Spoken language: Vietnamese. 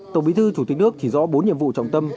tổng bí thư chủ tịch nước chỉ rõ bốn nhiệm vụ trọng tâm